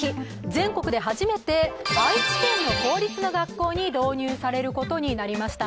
全国で初めて愛知県の公立の学校に導入されることになりました。